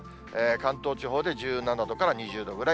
関東地方で１７度から２０度ぐらい。